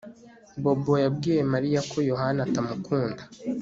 Bobo yabwiye Mariya ko Yohana atamukunda